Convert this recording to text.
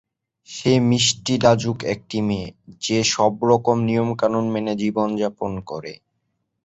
সে মিষ্টি লাজুক একটি মেয়ে, যে সব রকম নিয়মকানুন মেনে জীবন যাপন করে।